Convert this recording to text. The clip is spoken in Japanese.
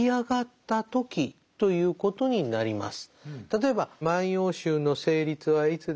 例えば「万葉集」の成立はいつですか。